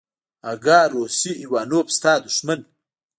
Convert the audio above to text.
اگه روسی ايوانوف ستا دښمن.